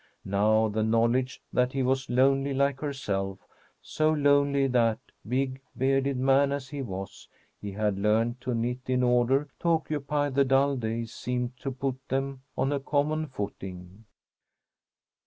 Now the knowledge that he was lonely like herself, so lonely that, big, bearded man as he was, he had learned to knit in order to occupy the dull days, seemed to put them on a common footing.